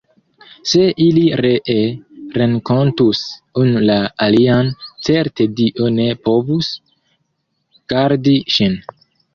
Se ili ree renkontus unu la alian, certe Dio ne povus gardi ŝin!